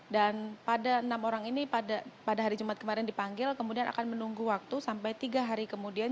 dan pada enam orang ini pada hari jumat kemarin dipanggil kemudian akan menunggu waktu sampai tiga hari kemudian